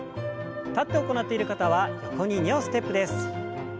立って行っている方は横に２歩ステップです。